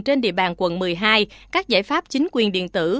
trên địa bàn quận một mươi hai các giải pháp chính quyền điện tử